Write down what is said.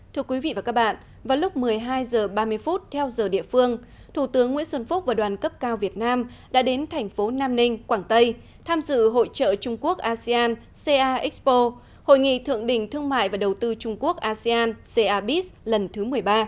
thưa quý vị và các bạn vào lúc một mươi hai h ba mươi theo giờ địa phương thủ tướng nguyễn xuân phúc và đoàn cấp cao việt nam đã đến thành phố nam ninh quảng tây tham dự hội trợ trung quốc asean ca expo hội nghị thượng đỉnh thương mại và đầu tư trung quốc asean carbis lần thứ một mươi ba